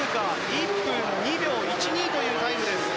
１分２秒１２というタイムです。